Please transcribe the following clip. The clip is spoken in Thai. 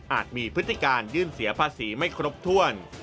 มีพฤติการยื่นเสียภาษีไม่ครบถ้วน